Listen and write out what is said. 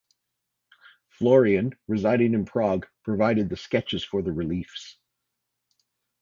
Florian, residing in Prague, provided the sketches for the reliefs.